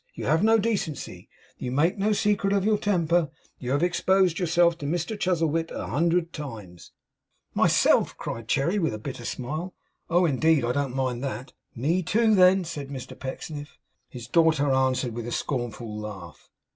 You have no decency; you make no secret of your temper; you have exposed yourself to Mr Chuzzlewit a hundred times.' 'Myself!' cried Cherry, with a bitter smile. 'Oh indeed! I don't mind that.' 'Me, too, then,' said Mr Pecksniff. His daughter answered with a scornful laugh.